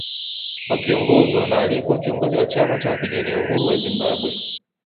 Wakiongozwa na aliyekuwa kiongozi wa chama cha wapigania uhuru wa Zimbabwe